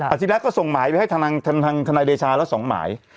อัตชิริยะก็ส่งหมายไปให้ทนายเดชาแล้วสองหมาย